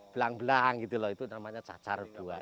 belang belang gitu loh itu namanya cacar dua